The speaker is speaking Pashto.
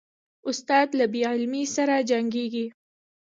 استاد له بې علمۍ سره جنګیږي.